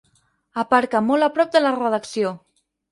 Aparca molt a prop de la redacció.